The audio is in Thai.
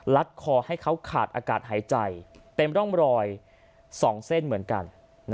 คอให้เขาขาดอากาศหายใจเต็มร่องรอย๒เส้นเหมือนกัน